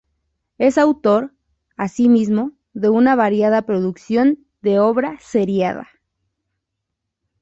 Es autor, asimismo, de una variada producción de obra seriada.